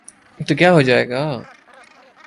تو کیا ہوجائے گا۔